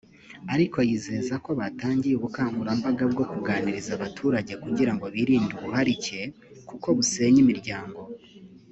Ariko yizeza ko batangiye ubukangurambaga bwo kuganiriza abaturage ku gira ngo birinde ubuharike kuko busenya imiryango